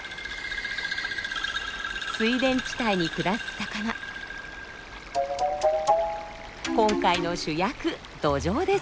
水田地帯に暮らす魚今回の主役・ドジョウです。